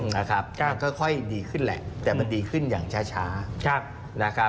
มันก็ค่อยดีขึ้นแหละแต่มันดีขึ้นอย่างช้า